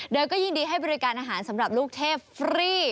โดยก็ยินดีให้บริการอาหารสำหรับลูกเทพฟรี